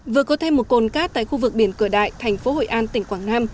vừa có thêm một cồn cát tại khu vực biển cửa đại thành phố hội an tỉnh quảng nam